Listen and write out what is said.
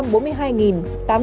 bằng chín mươi chín dự toán